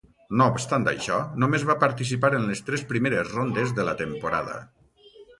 No obstant això, només va participar en les tres primeres rondes de la temporada.